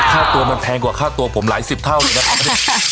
ข้าตัวมันแพงกว่าข้าตัวผมหลาย๑๐เท่าเลย